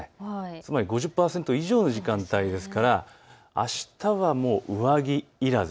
つまり５０％以上の時間帯ですからあしたはもう上着いらず。